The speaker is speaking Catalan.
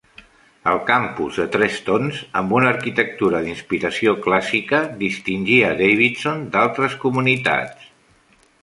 El campus de tres tons, amb una arquitectura d'inspiració clàssica, distingia Davidson d'altres comunitats.